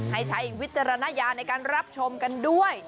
ใช้วิจารณญาณในการรับชมกันด้วย